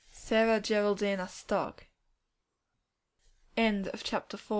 Sarah Geraldina Stock. Chapter V.